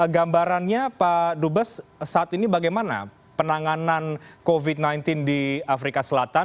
gambarannya pak dubes saat ini bagaimana penanganan covid sembilan belas di afrika selatan